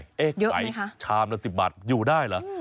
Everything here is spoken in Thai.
เยอะไหมคะเอ๊ะไข่ชามละ๑๐บาทอยู่ได้เหรอ